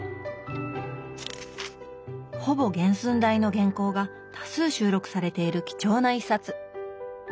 ほぼ原寸大の原稿が多数収録されている貴重な一冊。